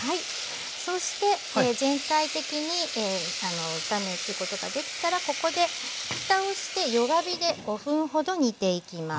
そして全体的に炒めることができたらここでふたをして弱火で５分ほど煮ていきます。